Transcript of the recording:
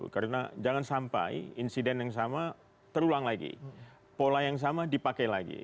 karena jangan sampai insiden yang sama terulang lagi pola yang sama dipakai lagi